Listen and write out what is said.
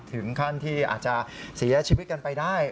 ถึงขั้นที่อาจจะเสียชีวิตกันไปได้